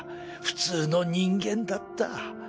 普通の人間だった。